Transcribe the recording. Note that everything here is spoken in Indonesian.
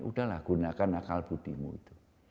udahlah gunakan akal budimu itu